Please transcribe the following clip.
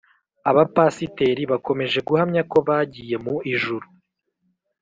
Abapasiteri bakomeje guhamya ko bagiye mu ijuru